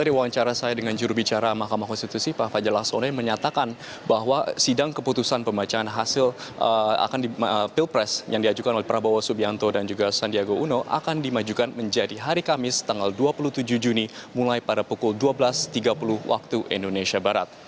dari wawancara saya dengan jurubicara mahkamah konstitusi pak fajar lason menyatakan bahwa sidang keputusan pembacaan hasil pilpres yang diajukan oleh prabowo subianto dan juga sandiaga uno akan dimajukan menjadi hari kamis tanggal dua puluh tujuh juni mulai pada pukul dua belas tiga puluh waktu indonesia barat